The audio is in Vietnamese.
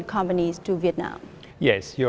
giữa việt nam và eu